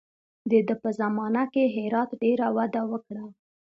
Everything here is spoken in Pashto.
د ده په زمانه کې هرات ډېره وده وکړه.